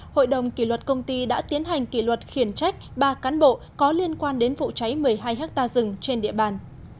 hội đồng kỷ luật công ty đã tiến hành kỷ luật khiển trách ba cán bộ có liên quan đến vụ cháy một mươi hai hectare rừng trên địa bàn